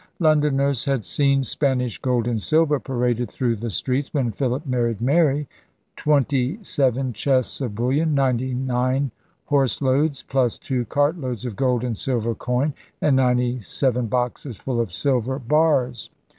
Londoners had seen Spanish gold and silver paraded through the streets when Philip married Mary — '27 chests of bullion, 99 horseloads + 2 cartloads of gold and silver coin, and 97 boxes full of silver bars!'